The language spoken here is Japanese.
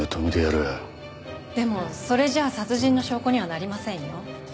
でもそれじゃ殺人の証拠にはなりませんよ。